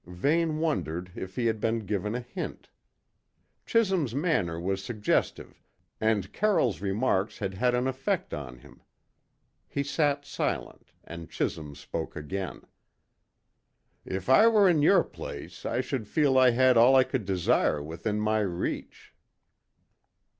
Vane wondered if he had been given a hint. Chisholm's manner was suggestive and Carroll's remarks had had an effect on him. He sat silent, and Chisholm spoke again: "If I were in your place, I should feel I had all I could desire within my reach."